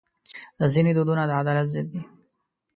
ځینې دودونه د عدالت ضد دي.